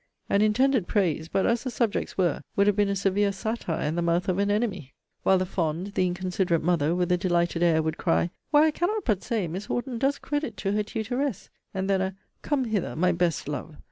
An intended praise; but, as the subjects were, would have been a severe satire in the mouth of an enemy! While the fond, the inconsiderate mother, with a delighted air, would cry, Why, I cannot but say, Miss Horton does credit to her tutoress! And then a Come hither, my best Love!